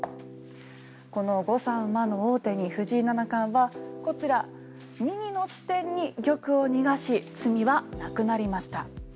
この５三馬の王手に藤井七冠はこちら、右の地点に玉を逃し詰みはなくなりました。